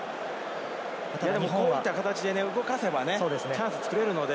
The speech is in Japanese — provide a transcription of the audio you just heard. こういった形で動かせばチャンスは作れるので。